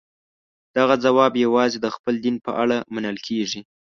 دغه ځواب یوازې د خپل دین په اړه منل کېږي.